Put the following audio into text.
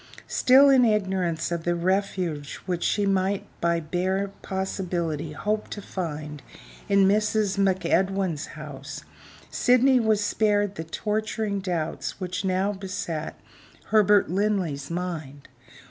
Still in ignorance of the refuge which she might by bare possibility hope to find in Mrs. MacEdwin's house, Sydney was spared the torturing doubts which now beset Herbert Linley's mind.